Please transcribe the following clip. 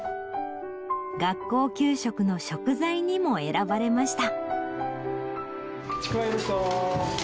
学校給食の食材にも選ばれました。